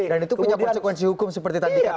itu punya konsekuensi hukum seperti tadi